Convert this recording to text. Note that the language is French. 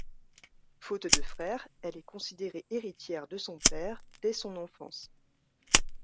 Faute de frère, elle est considérée héritière de son père dès son enfance.